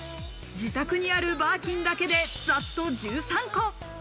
自宅にあるバーキンだけで、ざっと１３個。